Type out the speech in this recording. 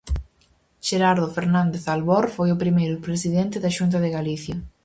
Xerardo Fernández Albor foi o primeiro presidente da Xunta de Galicia.